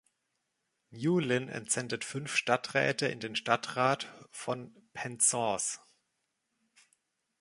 Newlyn entsendet fünf Stadträte in den Stadtrat von Penzance.